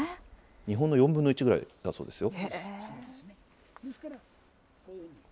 日本の４分の１ぐらいだそうですよ。